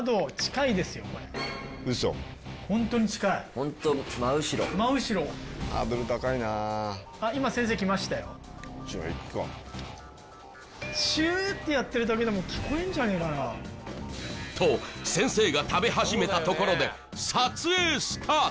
ほんと真後ろ真後ろハードル高いなあシューってやってるだけでも聞こえんじゃねえかなと先生が食べ始めたところで撮影スタート